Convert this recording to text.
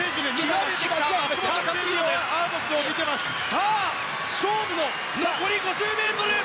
さあ、勝負の残り５０ｍ！